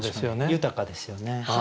豊かですよね。